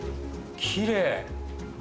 きれい。